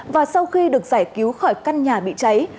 và sau khi được giải cứu khỏi căn nhà bị cháy